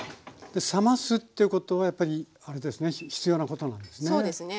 で冷ますっていうことはやっぱりあれですね必要なことなんですね。